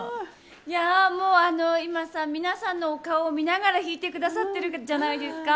もう今さ皆さんのお顔を見ながら弾いてくださってるじゃないですか。